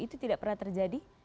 itu tidak pernah terjadi